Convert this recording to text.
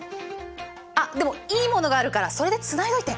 あっでもいいものがあるからそれでつないどいて！